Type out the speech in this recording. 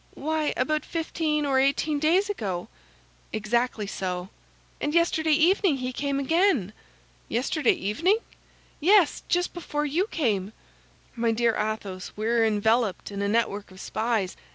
"Why, about fifteen or eighteen days ago." "Exactly so." "And yesterday evening he came again." "Yesterday evening?" "Yes, just before you came." "My dear Athos, we are enveloped in a network of spies.